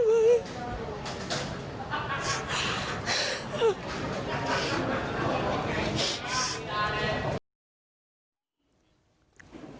ใช่ค่ะแล้วไม่อธิบาย